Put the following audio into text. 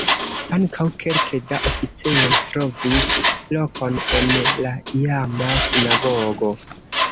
Ankaŭ kelke da oficejoj trovis lokon en la iama sinagogo.